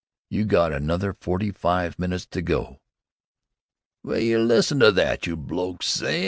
You got another forty five minutes to do." "Will you listen to that, you blokes! S'y!